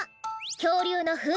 きょうりゅうのふんせき。